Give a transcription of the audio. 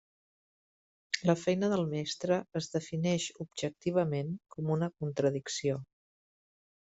La feina del mestre es defineix objectivament com una contradicció.